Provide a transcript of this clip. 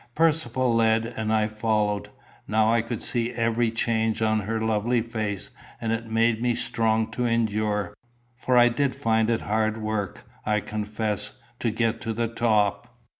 Percivale led, and I followed. Now I could see every change on her lovely face, and it made me strong to endure; for I did find it hard work, I confess, to get to the top.